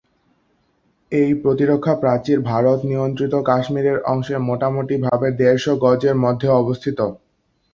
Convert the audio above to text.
এই প্রতিরক্ষা প্রাচীর ভারত নিয়ন্ত্রিত কাশ্মীরের অংশে মোটামুটি ভাবে দেড়শ গজের মধ্যে অবস্থিত।